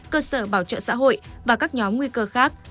cơ sở bảo trợ xã hội và các nhóm nguy cơ khác